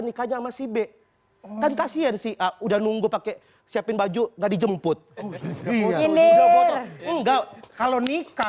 nikahnya masih b dan kasian sih udah nunggu pakai siapin baju nggak dijemput kalau nikah